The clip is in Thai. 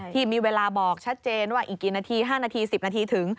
ที่มีเวลาบอกชัดเจนว่าอีกกี่นาที๕นาที๑๐นาทีถึง